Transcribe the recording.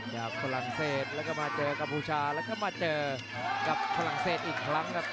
ฝรั่งเศสแล้วก็มาเจอกัมพูชาแล้วก็มาเจอกับฝรั่งเศสอีกครั้งครับ